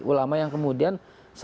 ulama yang kemudian